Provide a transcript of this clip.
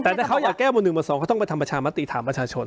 แต่ถ้าเขาอยากแก้หมวด๑หมวด๒เขาต้องไปทำประชามติถามประชาชน